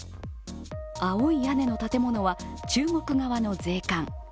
青い屋根の建物は中国側の税関。